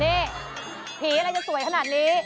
นี่ผีอะไรจะสวยขนาดนี้